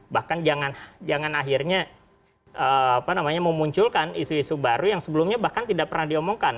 bahkan jangan akhirnya memunculkan isu isu baru yang sebelumnya bahkan tidak pernah diomongkan